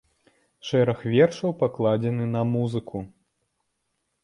Шэраг вершаў пакладзены на музыку.